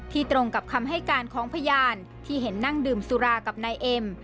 ตรงกับคำให้การของพยานที่เห็นนั่งดื่มสุรากับนายเอ็ม